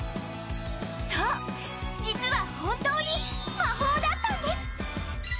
そう実は本当に魔法だったんです！